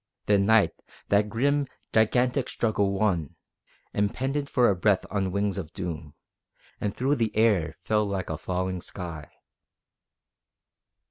Then Night, that grim, gigantic struggle won, Impended for a breath on wings of doom, And through the air fell like a falling sky.